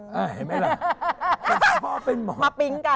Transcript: เห็นไหมล่ะ